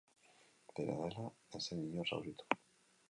Dena dela, ez zen inor zauritu.